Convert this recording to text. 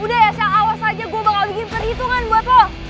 udah ya syah awas aja gue bakal bikin perhitungan buat lo